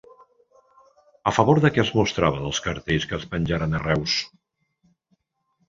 A favor de què es mostraven els cartells que es penjaren a Reus?